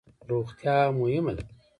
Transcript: روغتیا مهمه ده